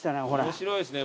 面白いですね。